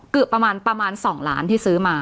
เกือบประมาณ๒ล้านที่ซื้อมา